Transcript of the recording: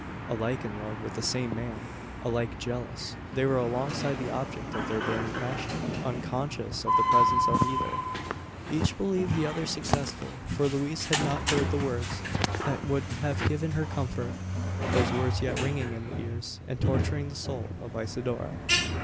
Alike in love with the same man alike jealous they were alongside the object of their burning passion unconscious of the presence of either! Each believed the other successful: for Louise had not heard the words, that would have given her comfort those words yet ringing in the ears, and torturing the soul, of Isidora!